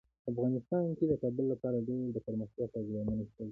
افغانستان کې د کابل لپاره ډیر دپرمختیا پروګرامونه شته دي.